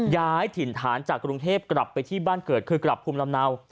ย้ายถิ่นฐานจากกรุงเทพกลับไปที่บ้านเกิดคือกลับภูมิลำเนา